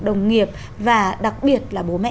đồng nghiệp và đặc biệt là bố mẹ